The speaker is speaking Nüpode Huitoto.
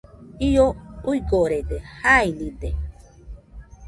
Io uigorede, jainide,